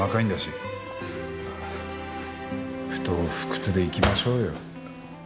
不撓不屈でいきましょうよ。